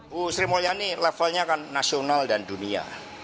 bu sri mulyani levelnya kan nasional dan dunia